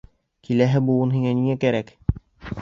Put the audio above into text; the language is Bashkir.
Киләһе быуын һиңә ниңә кәрәк?